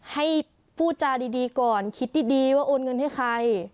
ให้พูดจาดีก่อนคิดดีว่าโอนเงินให้ใคร